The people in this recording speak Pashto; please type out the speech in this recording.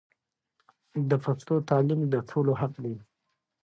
د پښتو تعلیم د ټولو حق دی.